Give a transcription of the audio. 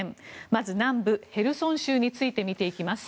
まず、南部ヘルソン州について見ていきます。